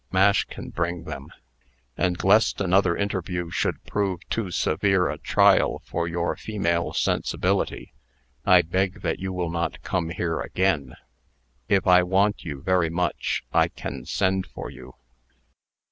Mash can bring them. And, lest another interview should prove too severe a trial for your female sensibility, I beg that you will not come here again. If I want you very much, I can send for you."